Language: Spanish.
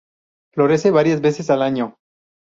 Florece varias veces al año.